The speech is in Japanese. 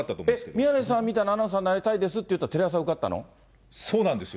宮根さんみたいなアナウンサーになりたいですって言ったら、そうなんですよ。